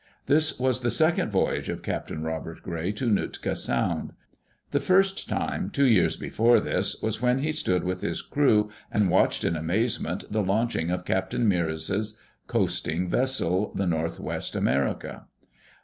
This was the second voyage of Captain Robert Gray to Nootka Sound. The first time, two years before this, was when he stood with his crew and watched, in amaze ment, the launching of Captain Meares's coasting vessel, the Northwest America.